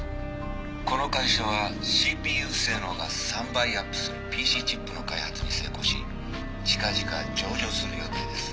「この会社はＣＰＵ性能が３倍アップするＰＣチップの開発に成功し近々上場する予定です」